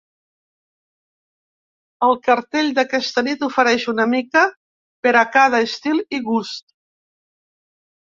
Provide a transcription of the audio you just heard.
El cartell d’aquesta nit ofereix una mica per a cada estil i gust.